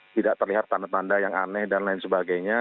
tidak terlihat tanda tanda yang aneh dan lain sebagainya